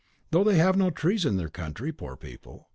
Though they have no trees in their country, poor people!